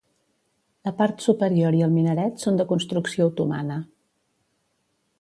La part superior i el minaret són de construcció otomana.